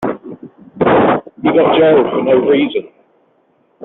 He got jailed for no reason.